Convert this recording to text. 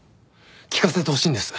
聞かせてほしいんです。